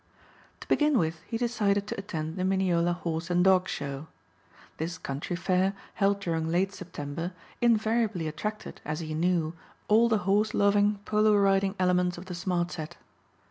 To begin with he decided to attend the Mineola Horse and Dog show. This country fair, held during late September, invariably attracted, as he knew, all the horse loving polo riding elements of the smart set.